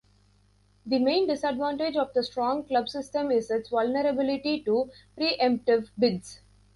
The main disadvantage of the strong-club system is its vulnerability to preemptive bids.